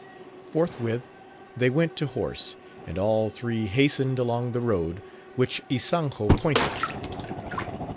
Forthwith they went to horse, and all three hastened along the road which Ysanjo pointed.